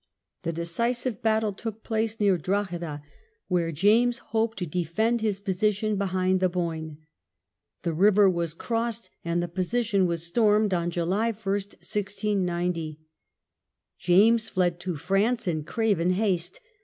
The decisive battle took place near Drogheda, where James hoped to defend his position be hind the Boyne. The river was crossed and the position was stormed on July i, 1690. James fled to France in craven haste.